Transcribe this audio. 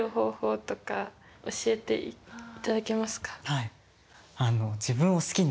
はい。